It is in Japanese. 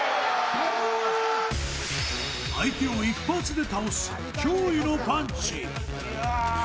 相手を一発で倒す脅威のパンチ。